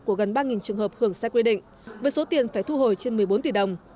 của gần ba trường hợp hưởng sai quy định với số tiền phải thu hồi trên một mươi bốn tỷ đồng